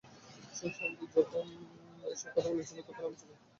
সুশান্তি যখন এসব কথা বলছিল, তখন আমি চলে গিয়েছিলাম কোন সুদূরে।